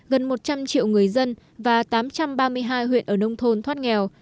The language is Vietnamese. gần một trăm linh triệu người dân và tám trăm ba mươi hai huyện ở nông thôn thoát nghèo